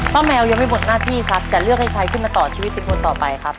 แมวยังไม่หมดหน้าที่ครับจะเลือกให้ใครขึ้นมาต่อชีวิตเป็นคนต่อไปครับ